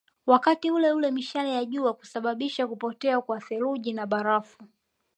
Wakati uleule mishale ya jua husababisha kupotea kwa theluji na barafu